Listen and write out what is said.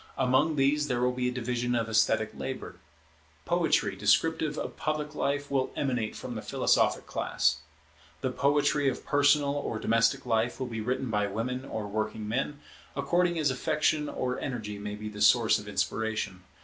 Among these there will be a division of esthetic labour. Poetry descriptive of public life will emanate from the philosophic class. The poetry of personal or domestic life will be written by women or working men, according as affection or energy may be the source of inspiration.